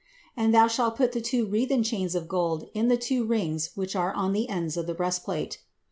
And thou shalt put the two wreathen chains of gold in the two rings which are on the ends of the breastplate.